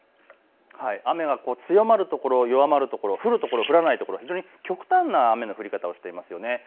雨が強まる所、弱まる所、降る所、降らない所、非常に極端な雨の降り方をしていますよね。